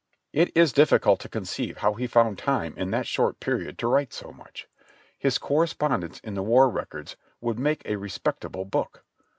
It is difficult to conceive how he found time in that short period to write so much. His correspondence in the war records would make a respectable book.